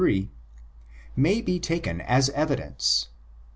may be taken as evidence.